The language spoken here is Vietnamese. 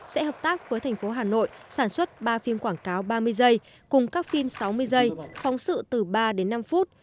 sẽ hợp tác với thành phố hà nội sản xuất ba phim quảng cáo ba mươi giây cùng các phim sáu mươi giây phóng sự từ ba đến năm phút